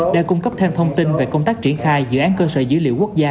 để cung cấp thêm thông tin về công tác triển khai dự án cơ sở dữ liệu quốc gia